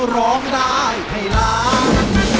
ร้องได้ให้ล้าน